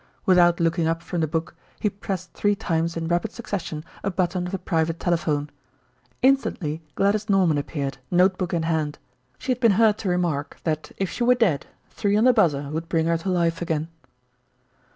Without looking up from the book he pressed three times in rapid succession a button of the private telephone. Instantly Gladys Norman appeared, note book in hand. She had been heard to remark that if she were dead "three on the buzzer" would bring her to life again.